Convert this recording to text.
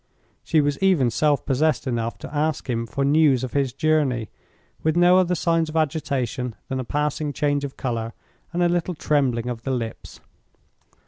She was even self possessed enough to ask him for news of his journey, with no other signs of agitation than a passing change of color and a little trembling of the lips.